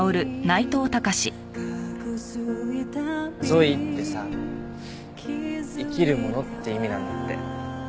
「ゾイ」ってさ「生きるもの」って意味なんだって。